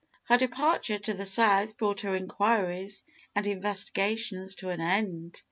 Her departure to the South brought her inquiries and investigations to an end.